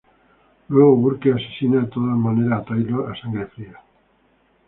Luego Burke asesina de todas maneras a Taylor a sangre fría.